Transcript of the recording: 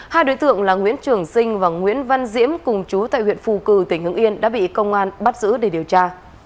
hai đối tượng là nguyễn trường sinh và nguyễn văn diễm cùng chú tại huyện phù cử tỉnh hưng yên đã bị công an bắt giữ để điều tra